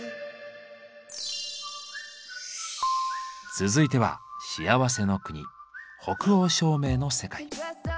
続いては幸せの国北欧照明の世界。